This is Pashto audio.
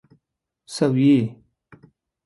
سويي